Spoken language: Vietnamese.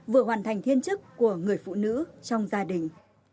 vừa hoàn thành thiên chức của người phụ nữ trong gia đình